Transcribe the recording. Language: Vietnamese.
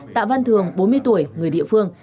tạ văn thường bốn mươi tuổi người địa phương